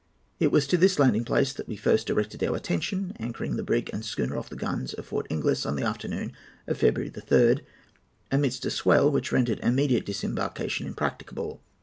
"It was to this landing place that we first directed our attention, anchoring the brig and schooner off the guns of Fort Ingles on the afternoon of February the 3rd, amidst a swell which rendered immediate disembarkation impracticable.